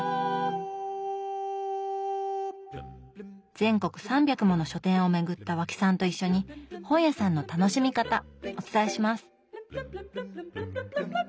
全国３００もの書店を巡った和氣さんと一緒に本屋さんの楽しみ方お伝えします！